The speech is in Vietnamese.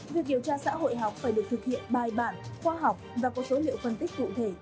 việc điều tra xã hội học phải được thực hiện bài bản khoa học và có số liệu phân tích cụ thể